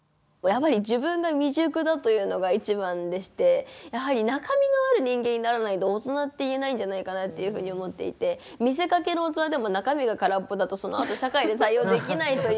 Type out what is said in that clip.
やっぱり自分が未熟だというのが一番でしてやはり中身のある人間にならないと大人って言えないんじゃないかなっていうふうに思っていて見せかけの大人でも中身が空っぽだとそのあと社会で対応できないというか。